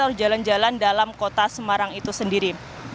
harus jalan jalan dalam kota semarang itu sendiri